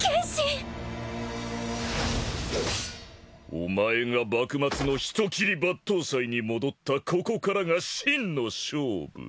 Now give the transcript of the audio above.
お前が幕末の人斬り抜刀斎に戻ったここからが真の勝負。